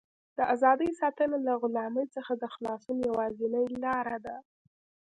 د ازادۍ ساتنه له غلامۍ څخه د خلاصون یوازینۍ لاره ده.